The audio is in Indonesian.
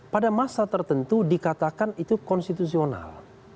pada masa tertentu dikatakan itu konstitusional